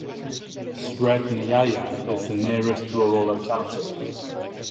Srednyaya is the nearest rural locality.